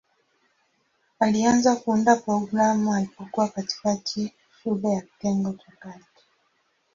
Alianza kuunda programu alipokuwa katikati shule ya kitengo cha kati.